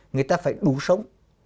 người ta phải đủ sống